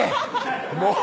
もう！